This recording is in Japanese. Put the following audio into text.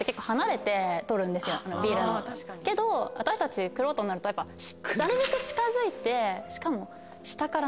けど私たち玄人になるとなるべく近づいてしかも。